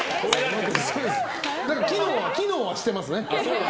機能はしてますね。